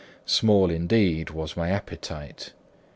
Small indeed was my appetite.